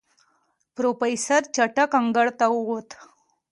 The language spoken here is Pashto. پروفيسر چټک انګړ ته ووت.